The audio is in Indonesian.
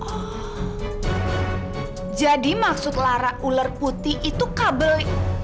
oh jadi maksud lara ular putih itu kabel